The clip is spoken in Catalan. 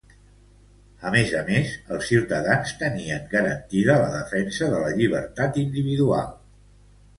A més a més, els ciutadans tenien garantida la defensa de la llibertat individual.